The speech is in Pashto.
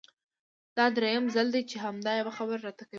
دا درېيم ځل دی چې همدا يوه خبره راته کوې!